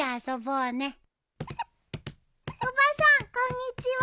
おばさんこんにちは。